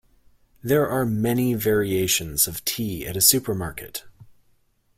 There are many variations of tea at a supermarket.